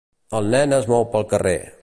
El nen es mou pel carrer.